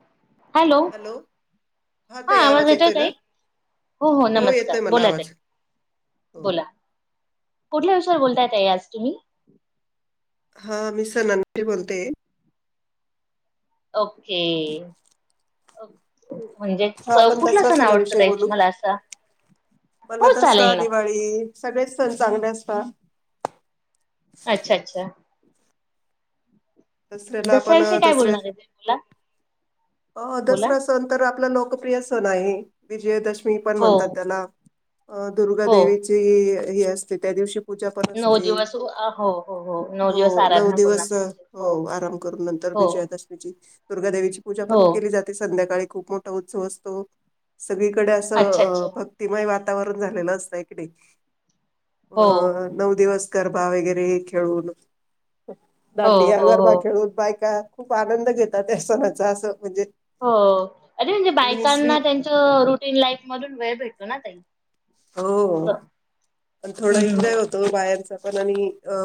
हो हॅलो हा ताई आवाज येतो येतोय का ना आहे हो हो नमस्कार येतोय मला बोला त आवाज हो बोला कुठल्या विषयावर बोलता ययेत आज तुम्ही हा मी सनानी बोलते ओके म्हणजे हा स आपण कुठला दसरा सण सणाविषयी आवडतही बोलू तुम्हाला असा मला हो दसरा चालेल ना दिवाळी सगळेच सण चांगले असत अच्छा अच्छा दसऱ्याला आपण दसऱ्याविषयी काय दसरे बोलणार आहे तुम्ही बोला अ बोला दसरा्या नंतर आपल्या लोक प्र्रिया सोनाई विजयादशमी मी पण हो म्हणतात त्याला अ दुर्गा हो देवीची ह ह असते त्या दिवशी पूजा पण नऊ असते दिवस हो हो हो नऊ दिवस हो नऊ आराधना पूर्ण दिवस अ, हो आराम करून नंतर विजयादशमीची [inaudible] दुर्गादेवीची पूजा हो पण केली जाते संध्याकाळी खूप मोठा उत्सव असतो. सगळीकडे असं अच्छा अ अच्छा भक्तिमय वा तावरण झालेलं असतंय क नाई? हो अ नऊ दिवस गरबा वगैरे हे खेळून [unintelligible] हो हो हो गरबा खेळून बायका खूप आनंद घेतात या सणाचा असं म्हणजे हो अरे म्हणजे आणि स्त्री बायकांना त्यांचं रुटीन लाईफ मधून वेळ भेटतो ना ताई. स प थोड काय होतो बा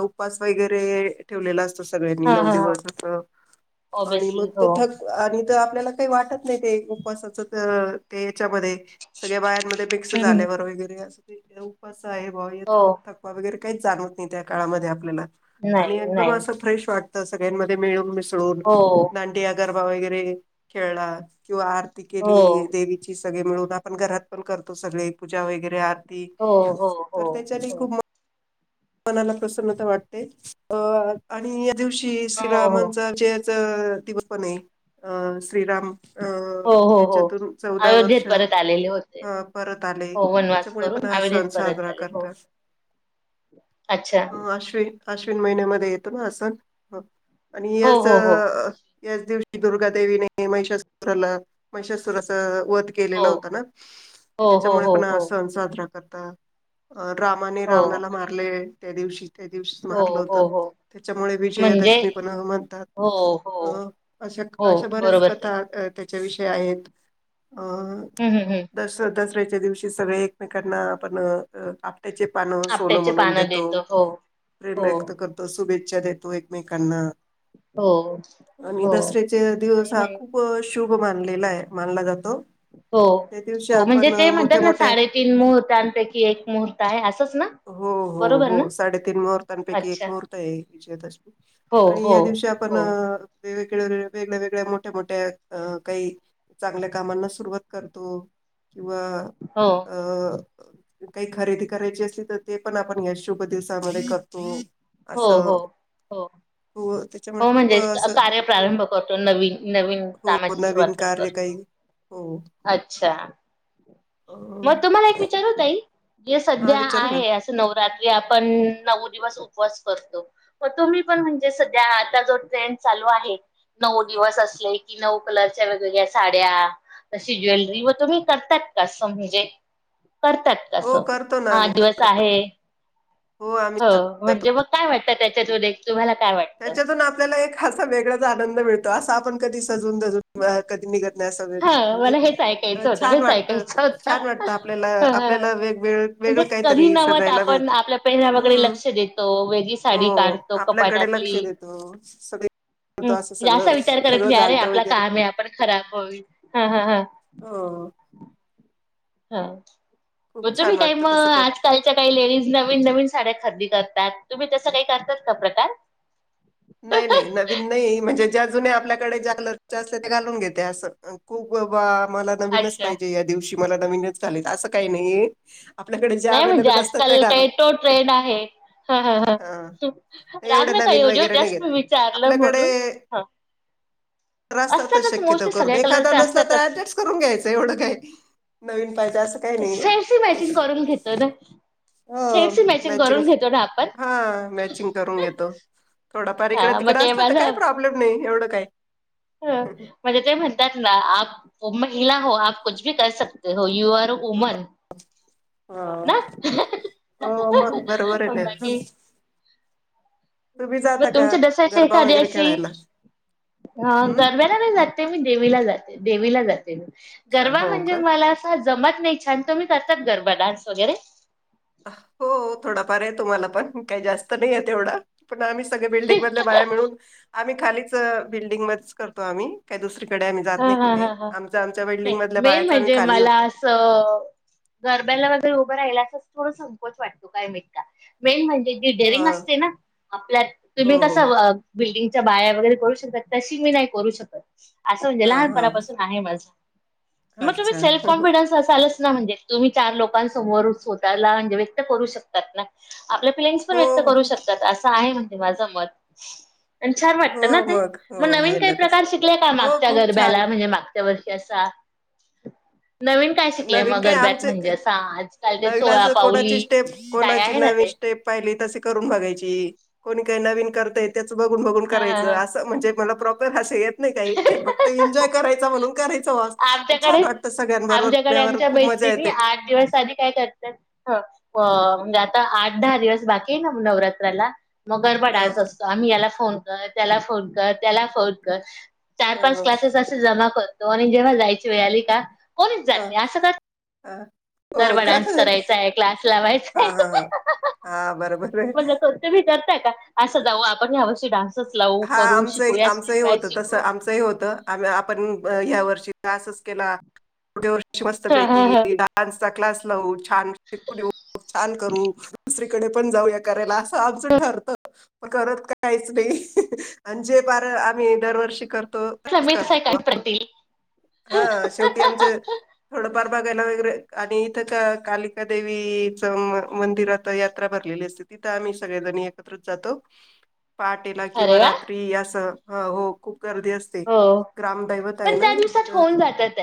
उपास वगैरे ठेवलेलं असतं [unintelligible] सगळ्यांनी हा नऊ हा हा दिवस अस आणि ऑब्विसली मग हो थक आणि आपल्याला काही वाटत नाही ते उपवासाच तर ते सगळ्या बायामध्ये मिक्स हम्म झाल्यावर वगैरे अस उपास आहे भा याच हो थकवा वगैरे काहीच जाणवत नाही त्या काळामध्ये आपल्याला नाही आणि एकदम नाही असं फ्रेश वाट सगळ्यांमध्ये मिळून मिळून हो दांडिय, गरबा वगैरे खेळणार किंवा आरती हो केली देवीची सगळे मिळून आपण घरात पण करतो सगळे पूजा वगैरे आ ते हो हो हो तर हो त्याच्यात हो खूप मनाला प्रसन्नता वाटते अ आणि दिवशी हो श्रीराामांचा जय अ तिचं पण आहैत श्रीराम अं हो हो हो. याच्यातून चौदा वर्ष अयोध्येत अ परत आलेले होते परत आले हो वनवास त्याच्यामुळे पण करून हा सण अयोध्येत परत साजरा आले हो करतात. अच्छा अ आश्विन आश्विन महिन्यामध्ये येत ना असं आणि हो याच हो हो याच दिवशी दुर्गा देेवीने म्हैशासूरला म्हैशासूर अस वध केलेला हो होता ना हो त्याच्यामुळे हो पण हो साजरा कता [unintelligible] रामाने हो रावणाला मार त्या दिवशी त्या दिवसी हो हो मारलं होतं हो हो त्याच्यामुळे म्हणजे विजयादशमी पण म्हणतात. हो अ हो अशा हो अशा बऱ्याच बरोबर ताई कथा विषय आहेत. अ हम्म हम्म हम्म दस दसऱ्याच्या दिवशी सगळे एकमेकांना आपण त्याचे पानं सोनं आपट्याचे म्हणून पानं देतो हो, प्रेम हो. व्यक्त करतो शुभेच्छा देतो एकमेकांना. हो आणि हो दसऱ्याचे दिवस आणि हा म्हणजे खूप शुभ मानलेला आहे, मानला जातो. हो, त्या दिवशी हो म्हणजे आपण ते म्हणतात मोठ्या ना मोठ्या साडे तीन मुहूर्तांपैकी एक मुहूर्त आहे. असंच ना? हो, हो, बरोबर ना? हो साडेतीीन मुहूर्तांपैकी एक अच्छा मुहूर्त आहे विजयदशमी. हो आणि हो या दिवशी आपण हो वेगळ्या, वेगळ्या, वेगळ्या मोठ्या, मोठ्या काही चांगल्या कामांना सुरुवात करतो. किंवा हो अ काही खरेदी करायची असली तर ते पण आपण या शुभ दिवसामध्ये करतो. हो, असं हो, हो, हो त्याच्यामुळे हो खूप म्हणजेच असं कार्य प्रारंभ करतो, नवीन नवीन हो कामाची सुरुवात नवीन पण कार्य काही करतो. हो अच्छा, अ, मग तुम्हाला एक विचारू ताई? जे हा सध्या विचारा ना आहे असं नवरात्री आपण नऊ दिवस उपवास करतो, मग तुम्ही पण म्हणजे सध्या आता जो ट्रेंड चालू आहे नऊ दिवस असले की नऊ कलरच्या वेगवेगळ्या साड्या तशी ज्वेलरी व तुम्ही करताात का? असं म्हणजे करतात हो तसं करतो ना हा आम्ही दिवस आहे आम्ही हो करतो. म्हणजे मग काय वाटतं त्याच्यात [unintelligible] तुम्हाला काय वाटतं? त्याच्यातून आपल्याला एक असा वेगळाच आनंद मिळतो. अस आपण कधी सजून धजुन बाहेर कधी निघत नाही असं वे- हा म्हणजे मला हेच अ, ऐकायचं होतं, छान हेच वाटतं ऐकायचं होत. छान वाटतं आपल्याला आपल्याला वेगवेगळं म्हणजे वेगळं कधी काहीतरी नव्ह सजायला तेआपण मिळतं आपल्या पेहरावाकडे हम्म लक्ष देतो, वेगळी हो साडी काढतो आपल्याकडे कपाटातली लक्ष देतो सगळे करतो हं असं सगळं असा विचार करत नाही सगळं की अरे घालतं आपलं वगैरे काम आहे आपण खराब होईल. हा हा हा हो. हा. खूप होत मी छान काही वाटतं मग तसं करून आजकालच्या काही लेडीज नवीन, नवीन साड्या खरेदी करतात. तुम्ही तसं काही करतात का प्रकार? नाही नाही. नवीन नाही म्हणजे जे अजुून आपल्याकडे ज्या कलर असते ते घालून घेते असं खूप बा मला नवीनच अच्छा. पाहिजे या दिवशी मला नवीन चालेल असं काही नाहीये‌ नाही म्हणजे आजकाल काही तो ट्रेंड आहे हं हं हा राग एवढे नका नवीन येऊन देऊ. वगैरे नाही जस्ट घेत. मी विचारलं आपल्याकडे म्हणून. हा कलर असतं असतातच शक्यतो मोस्टली करून सगळ्या एखादं कलरच्या नसलं तर असतातच. ऍडजस्ट करून घ्यायचं एवढं काय. नवीन पाहिजे असं काही नाही, शेडशी मॅचिंग करून घेतो ना. हो शेडशी मॅचिंग, करून घेतो ना आपण. हा मॅचिंग करून घेतो. थोडंफार इकडे हा मग तिकडे ते असलं तर, काही प्रॉब्म नाही. एवढं काय? ह म्हणजे ते म्हणतात ना महिला हो आप कुछ भी कर सकते हो. यू आर उमन हो ना? हो मग बरोबर आहे ना तुम्ही जाता मग का तुमच्या दशची गरबा एखाद्या वगैरे अशी खेळायला? [unintelligible] हम्म गरब्याला नाही जाते, मी देवीला जाते. देवीला जात अच्छा गरबा हो म्हणजे का? मला असा जमात नाही छान, तुम्ही करता का गरबा डान्स वगैरे? हो थोडाफार आहे तुम्हाला पण काही जास्त नाही येवढा पण आम्ही सगळ्या बिल्डिंग मधल्या बाया मिळून आम् खालीच बिल्डंगमध्येच करतो आम्ही, काहि दुसरी ह ह ह मधल्या मेन बायाच आम्ही म्हणजे खाली होत. मला असं, गरब्याला वगैरे उभं राहिला अस थोड संकोच वाटतो, कायमाहित का? मेन म्हणजे एक जे डेरिंग हा असते ना, आपल्यात तुम्ही हो हो कसं मग बिल्डिंग च्या बाया वगैरे करू शकतात, तशी मी नाही करू शकत. असं म्हणजे हा लहानपणापासून आहे माझं. हा मग तुम्ही अच्छा सेल्फ कॉन्फिडन्स असायलाच नही म्हणजे तुम्ही चार लोकांसमोर स्वतःला म्हणजे व्यक्त करू शकतात ना. आपल्या फिलिंग्स पण हो व्यक्त करू हो शकतात असं आहे माझं मत. आणि छान वाटतं ना हो, ते हो मग नवीन आहे काही ना तसं प्रकार शिकल्या कामात हो त्या खूप छान गरब्याला म्हणजे मागच्या वर्ष कसा नवीन काय शिकलय नवीन मग काय गरब्यात आमचे म्हणजे असा आजकाल ते नवीन सोळा असं कोणाची पाऊली स्टेप काय कोणाची आहे ना नवीन ते? स्टेप पाहिली तसे करून बघायची कोणी काही नवीन करतय त्यात. त्यांच बघून बघून हा हा करायचं हा. असं म्हणजे मला प्रॉपर हसाया येत नाही काही फक्त एन्जॉय करायचा म्हणून कर [unintelligible] तवा छान वाटतं सगळ्यांबरोबर केल्यावर सगळ्यांच्या खूप मजा मैत्रिणी येते आठ दिवस आधी काय करतात [unintelligible] अ म्हणजे आता आठ-दहा दिवस बाकी आहे ना नवरात्राला? म गरबा हा डान्स असतो आम्ही याला फोन कर त्याला फोन कर, त्याला फोन कर. चार हा पाच हा क्लासेस असं जमा कर जेव्हा जायची वेळ आली का कोणीच जात नाही असं क अ हो का क्लास हा हा ह हा बरोबर. आहे मजा करते मी. करताय का असं जाऊ आपण हे अवश्य डान्स- हा आमचंही आमचंही होतं तस शिकू. आमचंही होतं आम- आपण ह्या वर्ष तासच केला. 'गौरीचे' हा मस्तपैकी हा बिना डान्स- क्लास लावू छान छान करू दुस- तडे पण जाऊ या कराला अस आमचं ठरत करत काहीच नाही. आणि जे फार आम्ही दरवर्षी करतो. तो हा असच मीच आहे काय करतो प्रतील का शेवटी आमच थोडं फार बघायला वरे आणि- कालिका देवीच मंदिरात यात्रा भरलेली असते तिथं आम्ही सगळेजणी एकत्र जातो पहाटे - किंवा अरे वा रात्री असं- हा हो खूप गर्दी असते हो ग्रामदैवत आहे पण ना त्या दिवसात तिथं होऊन जातात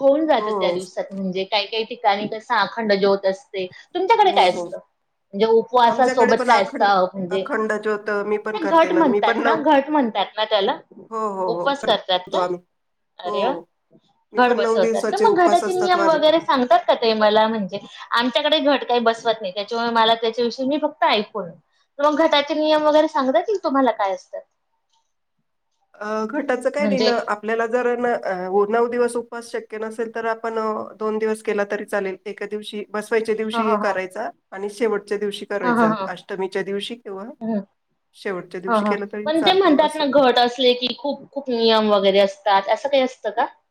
होऊन जात हो त्या दिवसात म्हणजे काय काही. कस अखंड ज्योत असते. तुमच्याकडे हो काय हो असतं, म्हणजे आमच्याकडे उपवासासोबत पण काय अखंड असतं? म्हणजे अखंड ज्योत मी पण ते करते घट ना मी पण म्हणतात ना? नऊ घट म्हणतात ना त्याला? हो हो हो उपवास घट करतात करतो का? आम्ही हो अरे वा! मी घट पण नऊ बसवतात का दिवसाचे मग उपवास घटाचे असतात नियम माझे पण वगैरे सांगतात का ताई मला म्हणजे आमच्याकडे घट काय बस वत नाही त्याच्यामुळे मला त्याच्याविषयी मी फक्त ऐकून आहे, तर मग घटाचे नियम वगैरे सांगता येतील तुम्हाला काय असतात? अ घटाचं काय नाही न म्हणजे आपल्याला जर न अ नऊ दिवस उ उपवास शक्य नसेल तर आपण दोन दिवस केलं तरी चालेल एका दिवशी बसवायच्या ह दिवशी ह ह करायचा आणि शेवट च्या दिवशी ह ह करायचा ह अष्टमीच्या दिवशी किंवा ह शेवटच्या ह दिवशी ह केला तरी पण चालतो म्हणतात असं. ना घट ते असले की खूप खूप नियम वगैरे असतात अ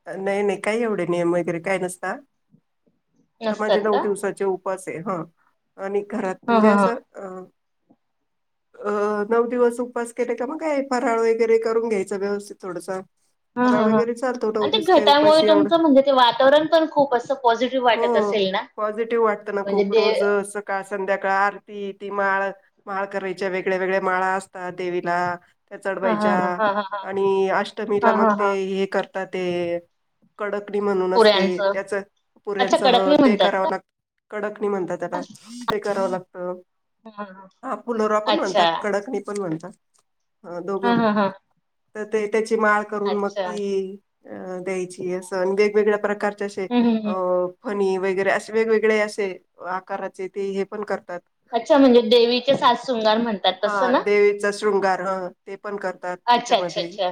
नाही नाही काही एवढे नियम- काय नसता. माझे नसतात नऊ का दिवसाचे उपास. ते हं. आणि घरात ह म्हणजे ह ह असं अ- अ नऊ दिवस उपास केले का मग, काही ह फराळ वगैरे करून घ्यायचा व्यवस्थित थोडस- ह फराळ ह ह वगैरे आणि ते च- [unintelligible] काही घटामुळे उपाशी एवढ [inaudible] तुमचं म्हणजे ते वातावरण पण खूप असं पॉझिटिव्ह हो वाटत असेल ना पॉझिटिव वाटत ना म्हणजे खूप दे रोज स सकाळ - संध्याकाळ आरती. ती माळ माळ करायच्या वेगळ्या वेगळ्या माळा असतात देवीला. त्या ह ह चढवायच्या ह ह ह आणि ह अष्टमीला मग ह ते ह हे कर- ते. कडकणी म्हणून असते पुऱ्यांचं त्याच अच्छा पुऱ्यांसह कडकणी ते म्हणतात कराव का? लाग- कडक- नी म्हणतात त्याला ते करावं लाग- ह. हा हा पुलोरा पण अच्छा म्हणतात कडकणी पण म्हणतात. हा दोघ. हा हा त ते. त्याची माळ करून मग अच्छा ती. अ द्यायची असं अन आणि वेगवेगळ्या प्रकारचे अशे हम्म हम्म हम्म. अ- फणी वगैरे अशे वेगवेगळे अशे आकाराचे ते हे पण कर- अच्छा म्हणजे देवीचे सात शृंगार म्हणतात तसं हा ना? देवीचा शृंगार ह ते पण करतात अच्छा अच्छा त्याच्यामध्ये अच्छा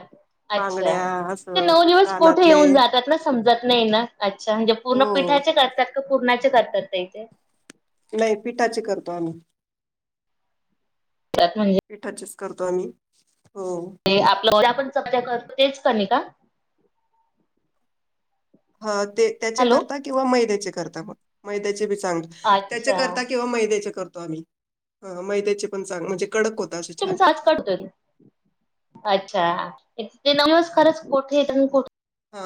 बांगड्या असं- कुठे कानातले येऊन जातात ना समजत नाही ना अच्छा म्हणजे पूर्ण हो पिठाचे करतात. पूरनाचे करतात ताई ते नाही पिठाचे करतो आम्ही त्यात पीठाचेच करतो आम्ही हो ते आपण सज करतो. तेच [unintelligible] नाही का हा त्याचे हॅलो करता किंवा मैद्याचे करता मग मैंदयचे बिस्की त्याचे अच्छा करता किंवा मैद्याचे करता ् मै त्या्या पण चांग म्हणजे कडक होता असे तुम् छान. साज काढतोय अच्छा ते नमुळेच खरंच कठे येत आणिठ हा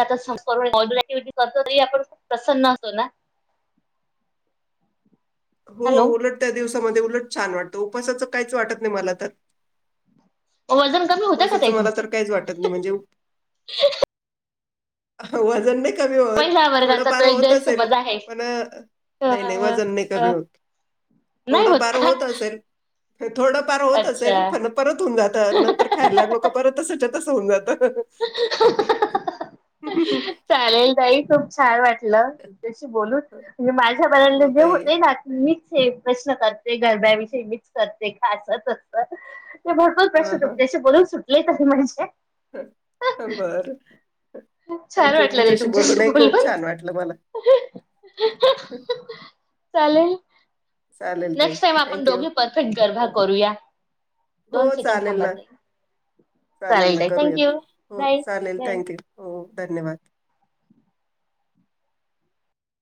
आता री आपणप प्रसन्न असतो ना हो हॅलो उलट त्या दिवस उलट छान वाटत उपासाचं काहीच वाटत नाही मला तर वजन कमी होतं का उपवासाचं तही मला तुमचं तर काहीच वाटत नाही म्हणजे उप- वजन नाही क होत महिला थोड वर्गाचा फार तो एक होत असेल गैरसमज आहे. पण अ नाही नाही वजन नाही कमी अ होत नाही थोडफार का? होत असेल थोडं फार होत असेल अच्छा पण परत होऊन जात नंतर ला लोक परत त्याच्यातच होऊ जात चालेल तई खूप छान वाटते हला शी बोलून म्हणजे मा हो जे ताई. होते ना े प्रश्न करते गरब्याविषयी मीच करते का अस अस ते भरपूर हां, प्रश्न तुम बोलून सुटत ल क म्हणचे बर छान थँक यू वाटलं ताई तुमच्याशी बोलूनही खूप बोलून. छान वाटलं मला चालेल चालेल ताई नेक्स्ट टाईम थँक्यू. आपणोघी परफेक्ट गरभा करूया. हो दोन सेकंड चालेल थांबा ना, तई, चालेल ना थक करूयात. यू हो बाय चालेल बाय. थँक्यू. हो धन्यवाद